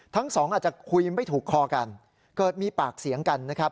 ทั้งสองอาจจะคุยไม่ถูกคอกันเกิดมีปากเสียงกันนะครับ